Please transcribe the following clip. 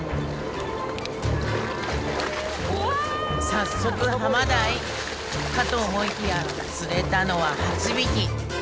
早速ハマダイ？かと思いきや釣れたのはハチビキ。